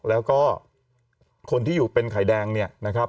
แล้วก็คนที่อยู่เป็นไข่แดงเนี่ยนะครับ